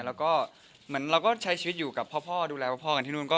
แล้วก็เหมือนเราก็ใช้ชีวิตอยู่กับพ่อดูแลพ่อกันที่นู่น